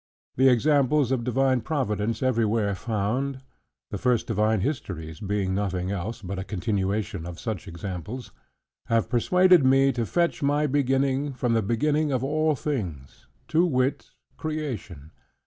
The examples of divine providence, everywhere found (the first divine histories being nothing else but a continuation of such examples) have persuaded me to fetch my beginning from the beginning of all things: to wit, Creation.